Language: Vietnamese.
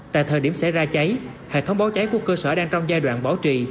tại thời điểm xảy ra cháy hệ thống báo cháy của cơ sở đang trong giai đoạn bảo trì